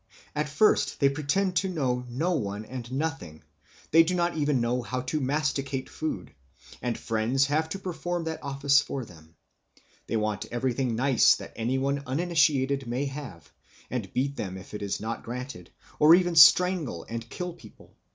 At first they pretend to know no one and nothing; they do not even know how to masticate food, and friends have to perform that office for them. They want everything nice that any one uninitiated may have, and beat them if it is not granted, or even strangle and kill people.